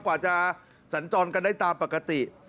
กว่าจะสัญจรกันได้ตามปกติ